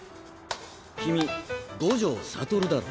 君五条悟だろ。